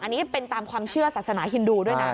อันนี้เป็นตามความเชื่อศาสนาฮินดูด้วยนะ